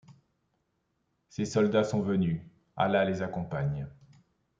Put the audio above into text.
Ses soldats sont venus ! Allah les accompagne